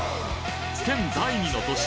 県第二の都市